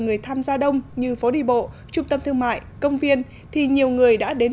người tham gia đông như phố đi bộ trung tâm thương mại công viên thì nhiều người đã đến